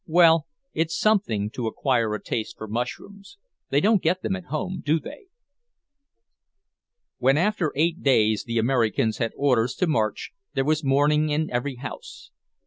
"Well, it's something to acquire a taste for mushrooms. They don't get them at home, do they?" When, after eight days, the Americans had orders to march, there was mourning in every house.